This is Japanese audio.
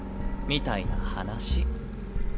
みたいな話。